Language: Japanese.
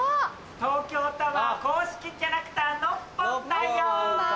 東京タワー公式キャラクターノッポンだよ。